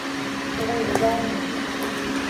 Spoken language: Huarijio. Wiyáine.